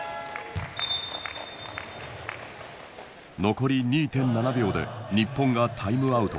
残り２．７秒で日本がタイムアウト。